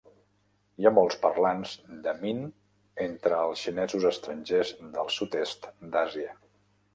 Hi ha molts parlants de min entre els xinesos estrangers del sud-est d'Àsia.